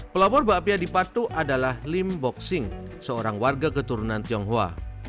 pelopor bapia di patuk adalah lim bok sing seorang warga keturunan tionghoa